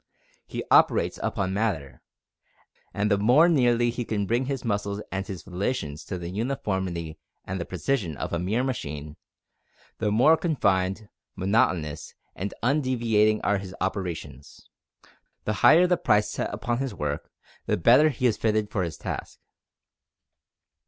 He operates upon matter, and the more nearly he can bring his muscles and his volitions to the uniformity and the precision of a mere machine the more confined, monotonous, and undeviating are his operations the higher is the price set upon his work, the better is he fitted for his task.